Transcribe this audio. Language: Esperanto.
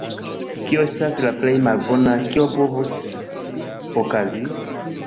Kio estas la plej malbona, kio povus okazi?